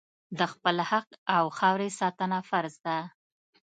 د خپل حق او خاورې ساتنه فرض ده.